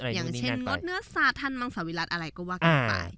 อย่างเช็นงดเนื้อศาสน์ท่านมังศวิรัติอะไรก็ว่ากันไป